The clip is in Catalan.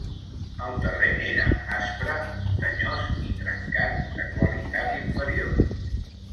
El terreny era aspre, muntanyós i trencat, de qualitat inferior.